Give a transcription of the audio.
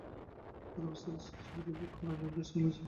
গত বছর সিরিজটির ছবি রিমেক করা নিয়ে বেশ আলোচনা হয় বলিউডে।